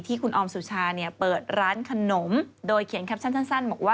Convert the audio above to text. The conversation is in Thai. คุณออมสุชาเปิดร้านขนมโดยเขียนแคปชั่นสั้นบอกว่า